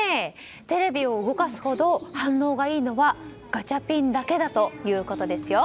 テレビを動かすほど反応がいいのはガチャピンだけだということですよ。